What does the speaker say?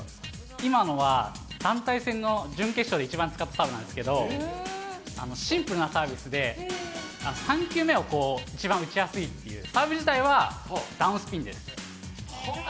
今のは、団体戦の準決勝で一度使ったやつなんですけど、シンプルなサービスで、サーブ自体はを一番打ちやすいという、サーブ自体はダウンスピンです。